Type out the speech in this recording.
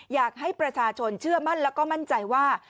อยากให้ประชาชนเชื่อมั่นแล้วก็มั่นใจว่า